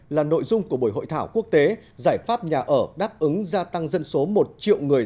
là nội dung của buổi hội thảo quốc tế giải pháp nhà ở đáp ứng gia tăng dân số một triệu người